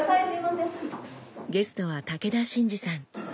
ゲストは武田真治さん。